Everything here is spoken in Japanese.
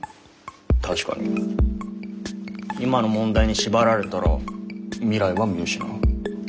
確かに今の問題に縛られたら未来は見失う。